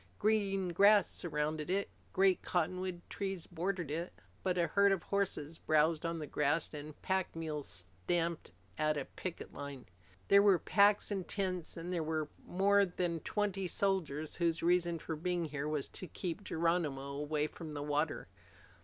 Green grass surrounded it. Great cottonwood trees bordered it. But a herd of horses browsed on the grass, and pack mules stamped at a picket line. There were packs and tents, and there were more than twenty soldiers whose only reason for being here was to keep Geronimo away from the water.